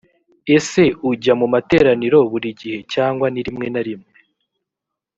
ese ujya mu materaniro buri gihe cyangwa ni rimwe na rimwe‽